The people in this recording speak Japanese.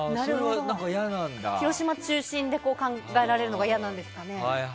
広島中心で考えられるのが嫌なんですかね。